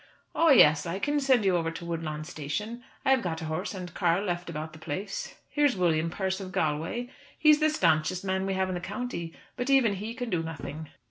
"Oh, yes! I can send you over to Woodlawn Station. I have got a horse and car left about the place. Here's William Persse of Galway. He's the stanchest man we have in the county, but even he can do nothing."